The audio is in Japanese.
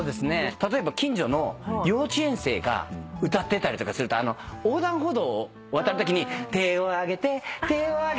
例えば近所の幼稚園生が歌ってたりとかすると横断歩道を渡るときに「手を上げて手を上げて横断歩道を渡り」